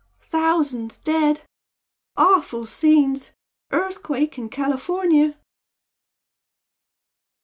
Thousands dead! Awful scenes! Earthquake in California!"